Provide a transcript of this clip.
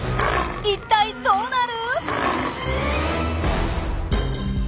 一体どうなる！？